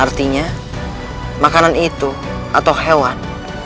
artinya makanan itu atau hewan